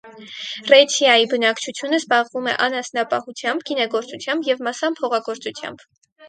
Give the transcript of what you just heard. Ռեցիայի բնակչությունը զբաղվում էր անասնապահությամբ, գինեգործությամբ և մասամբ հողագործությամբ։